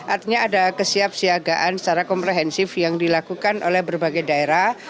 artinya ada kesiapsiagaan secara komprehensif yang dilakukan oleh berbagai daerah